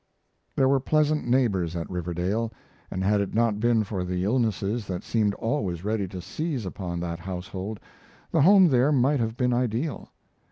There were pleasant neighbors at Riverdale, and had it not been for the illnesses that seemed always ready to seize upon that household the home there might have been ideal.